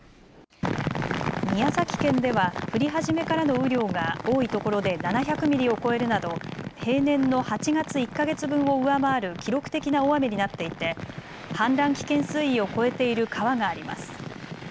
宮崎県では降り始めからの雨量が多いところで７００ミリを超えるなど平年の８月１か月分を上回る記録的な大雨になっていて氾濫危険水位を超えている川があります。